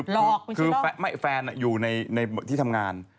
ไม่ที่ว่าไม่ไม่ได้ล่อคือแฟนอยู่ในที่ทำงาน